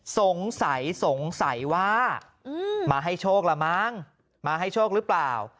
สงสัยสงสัยว่ามาให้โชคละมั้งมาให้โชคหรือเปล่า